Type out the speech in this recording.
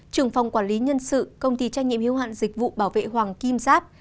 trưởng phòng quản lý nhân sự công ty trách nhiệm hiếu hạn dịch vụ bảo vệ hoàng kim giáp